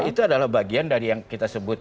itu adalah bagian dari yang kita sebut